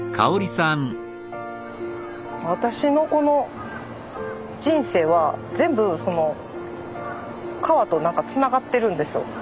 私のこの人生は全部川と何かつながってるんですよ。